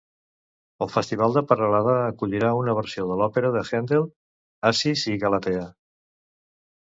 El festival de Peralada acollirà una versió de l'òpera de Händel “Acis i Galatea”.